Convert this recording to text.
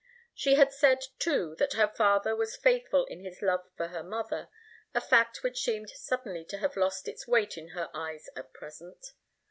She had said, too, that her father was faithful in his love for her mother, a fact which seemed suddenly to have lost its weight in her eyes at present.